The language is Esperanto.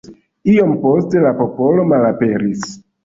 Iom poste la popolo malaperis.